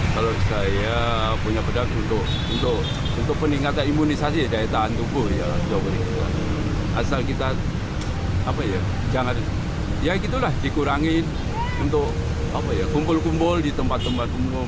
kalau saya punya pedang untuk peningkatan imunisasi daya tahan tubuh ya asal kita apa ya jangan ya gitu lah dikurangin untuk kumpul kumpul di tempat tempat umum